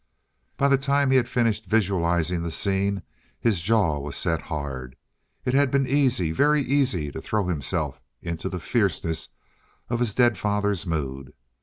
By the time he had finished visualizing the scene, his jaw was set hard. It had been easy, very easy, to throw himself into the fierceness of his dead father's mood.